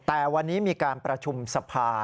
แต่วันนี้มีการประชุมสภา